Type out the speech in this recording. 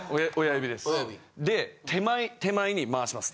で手前に回します。